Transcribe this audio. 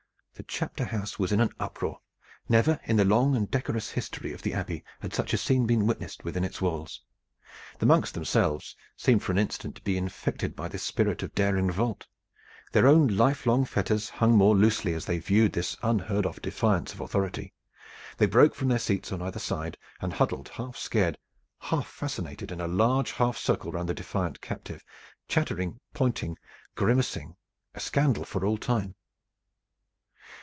The chapter house was in an uproar. Never in the long and decorous history of the Abbey had such a scene been witnessed within its walls. The monks themselves seemed for an instant to be infected by this spirit of daring revolt. Their own lifelong fetters hung more loosely as they viewed this unheard of defiance of authority. They broke from their seats on either side and huddled half scared, half fascinated, in a large half circle round the defiant captive, chattering, pointing, grimacing, a scandal for all time.